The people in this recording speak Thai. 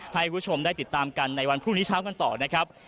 ให้คุณผู้ชมได้ติดตามกันในวันพรุ่งนี้เช้ากันต่อนะครับ